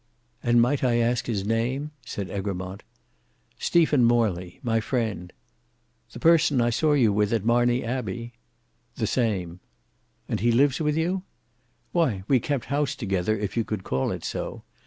"And might I ask his name," said Egremont. "Stephen Morley, my friend." "The person I saw with you at Marney Abbey?" "The same." "And he lives with you?" "Why, we kept house together, if you could call it so.